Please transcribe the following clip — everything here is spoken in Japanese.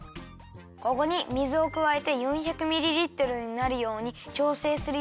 ここに水をくわえて４００ミリリットルになるようにちょうせいするよ。